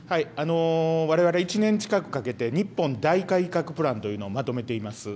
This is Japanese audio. われわれ１年近くかけて、日本大改革プランというのをまとめています。